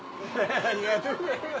ありがとうございます。